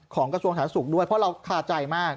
ของกระทรวงศาลสุขด้วยเพราะเราขาใจมาก